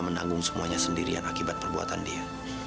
menanggung semuanya sendirian akibat perbuatan dia